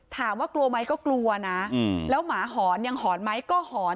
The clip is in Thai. กลัวไหมก็กลัวนะแล้วหมาหอนยังหอนไหมก็หอน